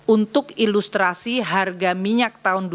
untuk ilustrasi harga minyak tahun dua ribu dua